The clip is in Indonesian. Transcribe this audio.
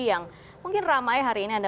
yang mungkin ramai hari ini